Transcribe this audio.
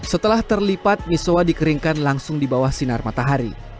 setelah terlipat misoa dikeringkan langsung di bawah sinar matahari